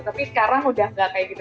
tapi sekarang udah gak kayak gitu